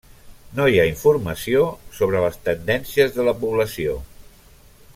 No hi ha informació sobre les tendències de la població.